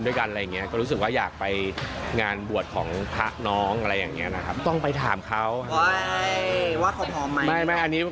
เดี๋ยวไปจะเป็นการต่อบุญด้วยกัน